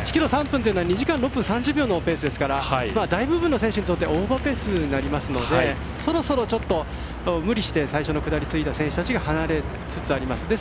１ｋｍ３分というのは２時間６分３０秒のペースですから大部分の選手にとってはオーバーペースになりますのでそろそろ無理して最初の下り、ついた選手が離れつつあります。